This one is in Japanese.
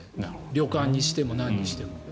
旅館にしてもなんにしても。